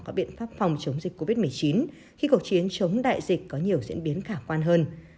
có biện pháp phòng chống dịch covid một mươi chín khi cuộc chiến chống đại dịch có nhiều diễn biến khả quan hơn